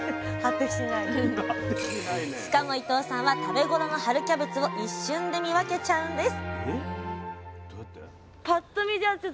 しかも伊藤さんは食べ頃の春キャベツを一瞬で見分けちゃうんです